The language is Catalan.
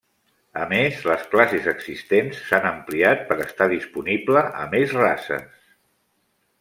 A més, les classes existents s'han ampliat per estar disponible a més races.